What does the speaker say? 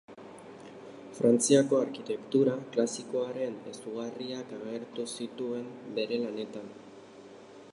Frantziako arkitektura klasikoaren ezaugarriak agertu zituen bere lanetan.